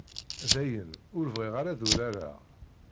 Dayen, ur bɣiɣ ara ad urareɣ.